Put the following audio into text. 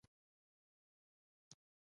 د حرارتي انرژي له تود جسم څخه ساړه جسم ته ورځي.